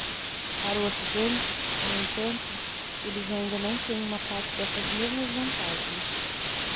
Para o Ocidente, no entanto, eles ainda não têm uma parte dessas mesmas vantagens.